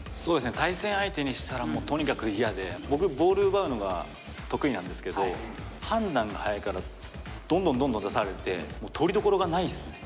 対戦相手にしたらもうとにかく嫌で僕ボール奪うのが得意なんですけど判断が早いからどんどんどんどん出されて取りどころがないっすね。